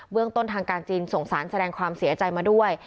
เรื่องต้นทางการจีนส่งสารแสดงความเสียใจมาด้วย